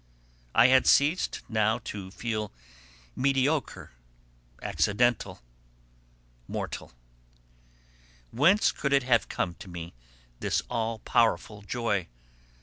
I had ceased now to feel mediocre, accidental, mortal. Whence could it have come to me, this all powerful joy?